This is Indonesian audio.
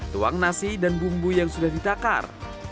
tuang nasi dan bumbu yang sudah ditakar